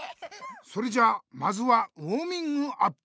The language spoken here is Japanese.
それじゃまずはウォーミングアップ。